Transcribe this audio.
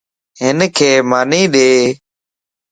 ھنک ماني ڏي